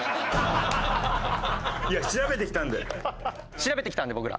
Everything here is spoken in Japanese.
調べてきたんで僕ら。